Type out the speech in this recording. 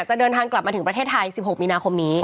จะเดินทางกลับมาถึงประเทศไทย๑๖มีนาคมนี้